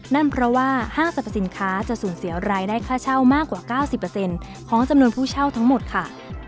นั่นเพราะว่าห้างสรรพสินค้าจะสูญเสียรายได้ค่าเช่ามากกว่า๙๐ของจำนวนผู้เช่าทั้งหมดค่ะ